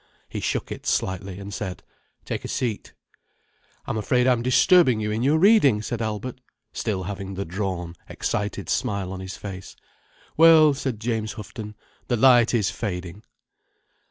He shook it slightly, and said: "Take a seat." "I'm afraid I'm disturbing you in your reading," said Albert, still having the drawn, excited smile on his face. "Well—" said James Houghton. "The light is fading."